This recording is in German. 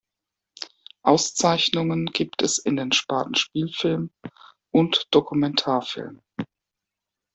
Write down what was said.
Auszeichnungen gibt es in den Sparten Spielfilm und Dokumentarfilm.